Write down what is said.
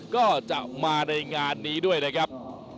ก็จะมาในงานนี้ด้วยนะครับ